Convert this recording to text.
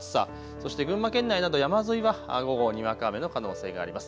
そして群馬県内など山沿いは午後にわか雨の可能性があります。